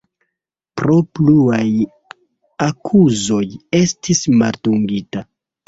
Pro pluaj akuzoj estis maldungita.